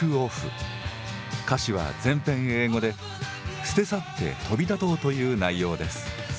歌詞は全編英語で、捨て去って、飛び立とうという内容です。